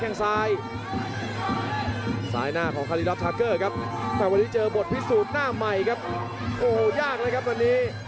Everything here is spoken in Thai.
โอ้โหยากเลยครับพอทีนี้